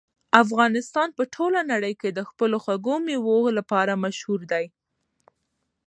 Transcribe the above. افغانستان په ټوله نړۍ کې د خپلو خوږو مېوو لپاره مشهور دی.